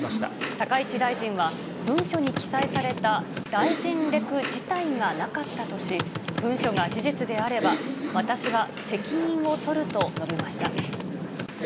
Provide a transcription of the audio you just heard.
高市大臣は、文書に記載された大臣レク自体がなかったとし、文書が事実であれば、私は責任を取ると述べました。